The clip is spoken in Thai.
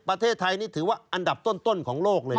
ประเทศไทยนี่ถือว่าอันดับต้นของโลกเลย